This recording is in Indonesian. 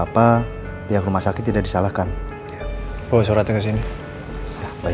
tapi nggak mengakhir rocks nya